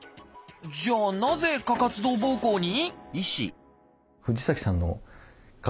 じゃあなぜ過活動ぼうこうに？